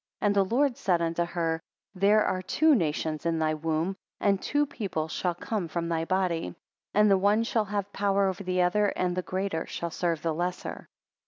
4 And the Lord said unto her; There are two nations in thy womb, and two people shall come from thy body; and the one shall have power over the other, and the greater shall serve the lesser.